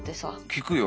聞くよ。